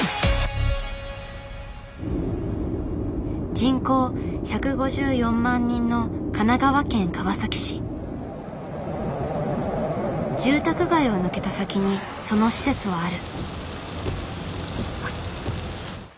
人口１５４万人の住宅街を抜けた先にその施設はある。